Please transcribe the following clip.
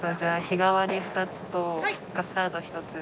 日替わり２つとカスタード１つ。